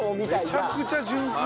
めちゃくちゃ純粋。